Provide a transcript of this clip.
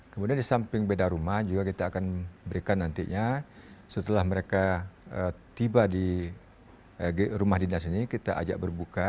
kemudian di samping beda rumah juga kita akan berikan nantinya setelah mereka tiba di rumah dinas ini kita ajak berbuka